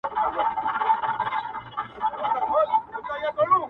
ستا هغه رنگين تصوير.